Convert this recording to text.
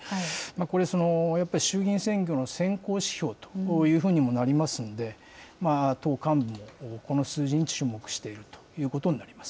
これ、やっぱり衆議院選挙の先行指標というふうにもなりますので、党幹部もこの数字に注目しているということになります。